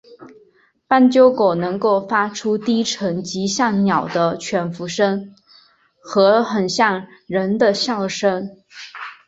斑鬣狗能够发出低沉及像鸟的吠声和很像人的笑声。